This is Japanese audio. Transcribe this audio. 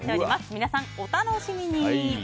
皆さん、お楽しみに。